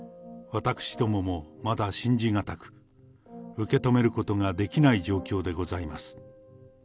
私どももまだ信じ難く、受け止めることができない状況でございます。